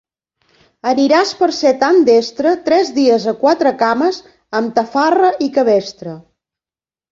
Aniràs, per ser tan destre, tres dies a quatre cames amb tafarra i cabestre.